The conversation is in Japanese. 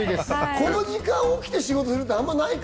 この時間帯、来て仕事するってあんまりないか？